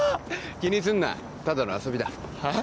気にすんなただの遊びだえっ？